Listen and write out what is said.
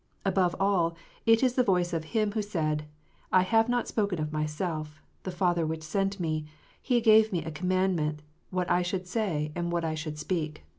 Above all, it is the voice of Him who said, " I have not spoken of Myself : the Father which sent Me, He gave Me a commandment what I should say and what I should speak."